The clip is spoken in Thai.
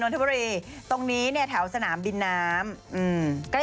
ตรงนี้เนี่ยแถวสนามบินน้ำ